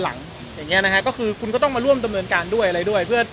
แล้วมันก็แพ่ไหลออกไปค่อนข้างไกลแล้ว